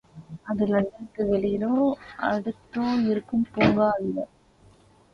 அது இலண்டனுக்கு, வெளியிலோ, அடுத்தோ இருக்கும் பூங்கா அல்ல.